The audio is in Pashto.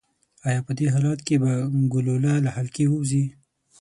ایا په دې حالت کې به ګلوله له حلقې ووځي؟